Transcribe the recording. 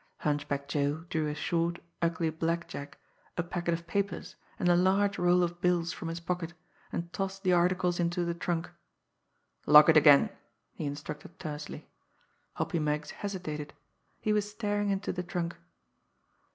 Hunchback Joe drew a short, ugly blackjack, a packet of papers, and a large roll of bills from his pocket, and tossed the articles into the trunk. "Lock it again!" he instructed tersely. Hoppy Meggs hesitated he was staring into the trunk.